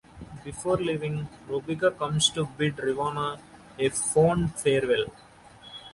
Before leaving, Rebecca comes to bid Rowena a fond farewell.